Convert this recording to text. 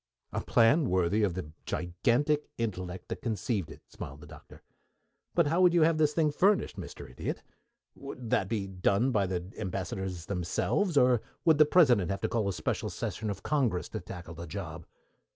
"A plan worthy of the gigantic intellect that conceived it," smiled the Doctor. "But how would you have this thing furnished, Mr. Idiot? Would that be done by the Ambassadors themselves, or would the President have to call a special session of Congress to tackle the job?"